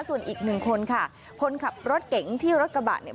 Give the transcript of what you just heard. ส่วนอีกหนึ่งคนค่ะคนขับรถเก๋งที่รถกระบะเนี่ย